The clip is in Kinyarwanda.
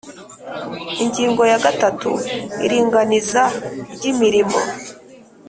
Ingingo ya gatatu Iringaniza ry imirimo